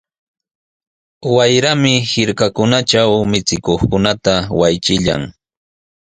Wayrami hirkakunatraw michikuqkunata waychillan.